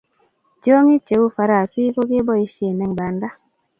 Tiongiing che uu farasit ko keboisie eng banda